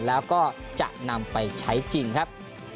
แล้วก็จะนำไปใช้จริงครับ